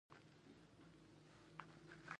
ایا سیروم مو لګولی دی؟